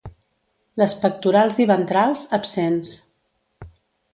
Les pectorals i ventrals, absents.